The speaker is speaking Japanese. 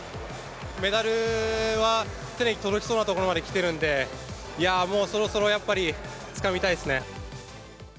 メダルは手に届きそうなところまできてるんで、いやー、もう、そろそろやっぱり、つかみたいですね。